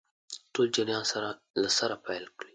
ټول جریان له سره پیل کړي.